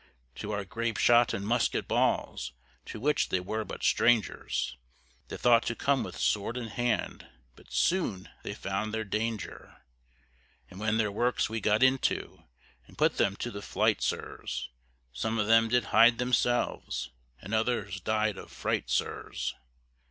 To our grape shot and musket balls, To which they were but strangers, They thought to come with sword in hand, But soon they found their danger. And when their works we got into, And put them to the flight, sirs, Some of them did hide themselves, And others died of fright, sirs.